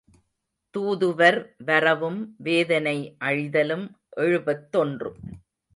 தூதுவர் வரவும் வேதனை அழிதலும் எழுபத்தொன்று.